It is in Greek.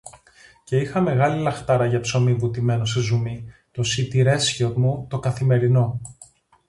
Και είχα μεγάλη λαχτάρα για ψωμί βουτημένο σε ζουμί, το σιτηρέσιό μου το καθημερινό